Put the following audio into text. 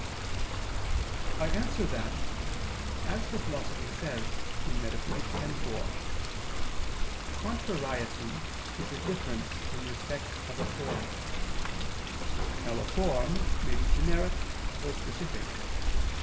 I answer that, As the Philosopher says (Metaph. x, 4), contrariety is a difference in respect of a form. Now a form may be generic or specific.